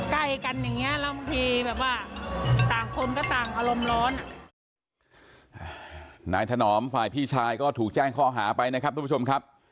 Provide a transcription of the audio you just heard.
ใกล้กันอย่างเงี้ยแล้วบางทีแบบว่าต่างคนก็ต่างอารมณ์ร้อนอ่ะนายถนอมฝ่ายพี่ชายก็ถูกแจ้งข้อหาไปนะครับทุกผู้ชมครับ